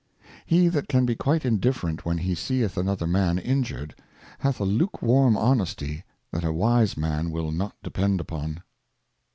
HE that can be quite indifferent when he seeth another Man injured, hath a lukewarm Honesty that a wise Man will not depend upon.